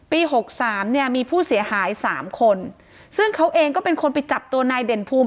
หกสามเนี่ยมีผู้เสียหายสามคนซึ่งเขาเองก็เป็นคนไปจับตัวนายเด่นภูมิ